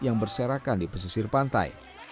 yang berserakan di pesisir pantai